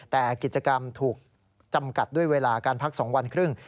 แต่กิจกรรมถูกจำกัดด้วยเวลาการพัก๒วันครึ่ง